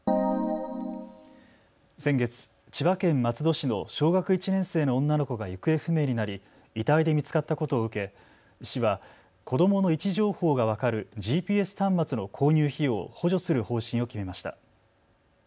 先月、千葉県松戸市の小学１年生の女の子が行方不明になり遺体で見つかったことを受け市は子どもの位置情報が分かるＧＰＳ端末の購入費用を補助する方針を決めました。